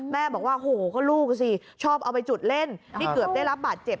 แม่บอกว่าโหก็ลูกสิชอบเอาไปจุดเล่นที่เกือบได้รับบาดเจ็บ